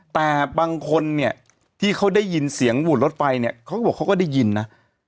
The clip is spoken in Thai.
แต่บางคนเนี่ยที่เขาได้ยินเสียงหวุ่นรถไฟเนี่ยเขาก็บอกเขาก็ได้ยินนะ